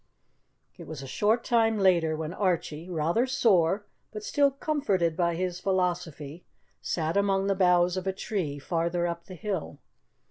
It was a short time later when Archie, rather sore, but still comforted by his philosophy, sat among the boughs of a tree farther up the hill.